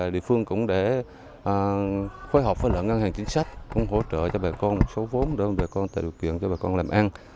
địa phương cũng đã phối hợp với lượng ngân hàng chính sách cũng hỗ trợ cho bà con một số vốn để bà con tạo điều kiện cho bà con làm ăn